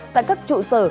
tại các trụ sở